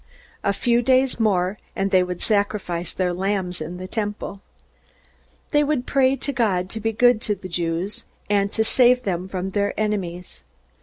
'" A few days more, and they would sacrifice their lambs in the Temple. They would pray God to be good to the Jews, and to save them from their enemies.